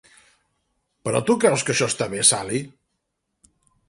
—Però tu creus que això està bé, Sally?